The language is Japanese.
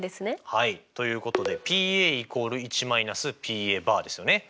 はいということでＰ＝１−Ｐですよね。